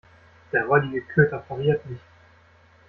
Der räudige Köter pariert nicht.